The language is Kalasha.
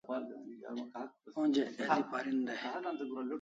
Onja el'i parin dai